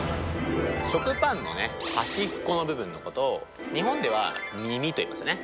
食パンのね端っこの部分のことを日本では耳といいますよね。